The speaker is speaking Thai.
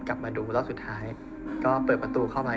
กลับมาดูรอบสุดท้ายก็เปิดประตูเข้าไป